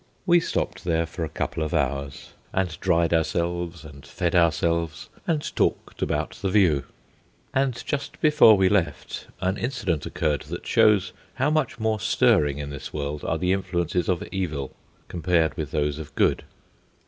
We stopped there for a couple of hours, and dried ourselves and fed ourselves, and talked about the view; and just before we left an incident occurred that shows how much more stirring in this world are the influences of evil compared with those of good.